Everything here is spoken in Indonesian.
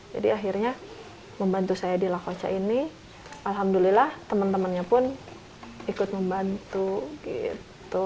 jadi akhirnya membantu saya di lakoca ini alhamdulillah teman temannya pun ikut membantu gitu